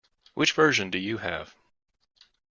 Which version do you have?